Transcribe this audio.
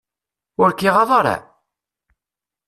Ur k-iɣaḍ ara?